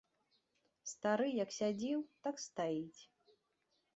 Стары як сядзеў, так стаіць.